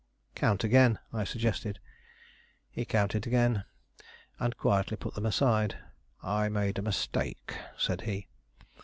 "Count again," I suggested. He counted again, and quietly put them aside. "I made a mistake," said he.